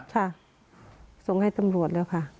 ค่ะส่งให้ตำรวจแล้วค่ะ